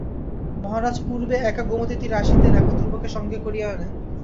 মহারাজ পূর্বে একা গোমতীতীরে আসিতেন, এখন ধ্রুবকে সঙ্গে করিয়া আনেন।